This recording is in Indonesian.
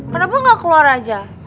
kenapa gak keluar aja